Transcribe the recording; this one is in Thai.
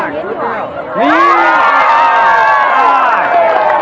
เนี่ย